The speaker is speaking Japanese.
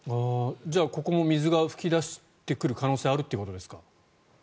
じゃあここも水が噴き出してくる可能性があるということですか？